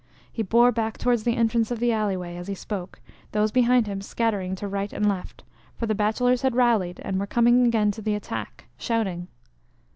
He bore back towards the entrance of the alley way as he spoke, those behind him scattering to right and left, for the bachelors had rallied, and were coming again to the attack, shouting.